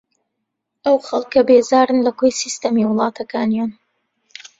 ئەو خەڵکە بێزارن لە کۆی سیستەمی وڵاتەکانیان